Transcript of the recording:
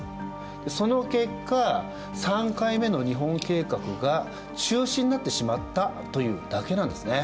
その結果３回目の日本計画が中止になってしまったというだけなんですね。